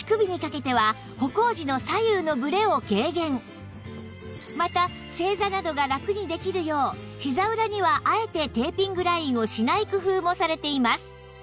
さらにまた正座などがラクにできるようひざ裏にはあえてテーピングラインをしない工夫もされています